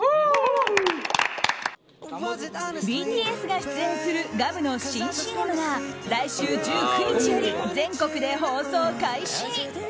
ＢＴＳが出演するガムの新ＣＭが来週１９日より全国で放送開始。